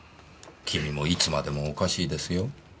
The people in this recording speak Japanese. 君もいつまでもおかしいですよ？